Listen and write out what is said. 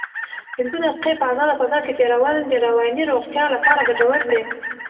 پنځه دقیقې په ازاده فضا کې تېرول د رواني روغتیا لپاره ګټور دي.